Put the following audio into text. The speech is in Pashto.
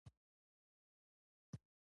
دا حیوان چټک برید کوي.